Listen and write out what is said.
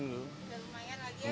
udah lumayan lagi ya